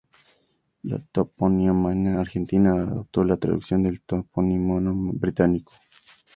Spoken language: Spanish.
La toponimia argentina adoptó la traducción del topónimo británico.